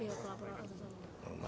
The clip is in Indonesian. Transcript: iya perlaporan atas apa